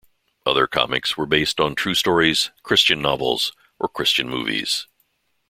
Other comics were based on true stories, Christian novels, or Christian movies.